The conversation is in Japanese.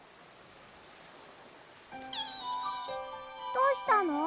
どうしたの？